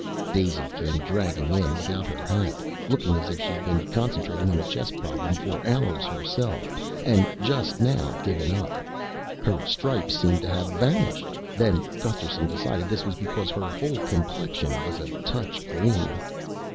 Daisy came dragging in without her hat, looking as if she'd been concentrating on a chess problem for hours herself and just now given up. Her stripes seemed to have vanished; then Gusterson decided this was because her whole complexion was a touch green.